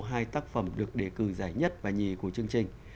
hai tác phẩm được đề cử giải nhất và nhì của chương trình